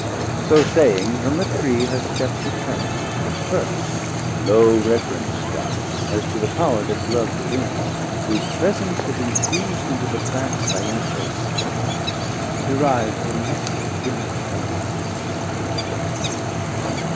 So saying, from the Tree her step she turnd, But first low Reverence don, as to the power That dwelt within, whose presence had infus'd Into the plant sciential sap, deriv'd From Nectar, drink of Gods.